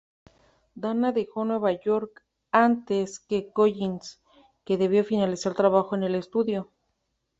Dana dejó Nueva York antes que Collins, que debía finalizar trabajo en el estudio.